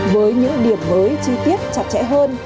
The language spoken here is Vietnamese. với những điểm mới chi tiết chặt chẽ hơn